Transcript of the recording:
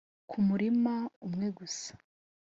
kumurima umwe gusa